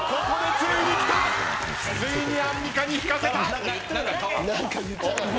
ついにアンミカに引かせた。